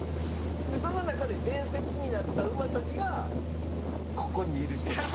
でその中で伝説になったウマたちがここにいる人たち。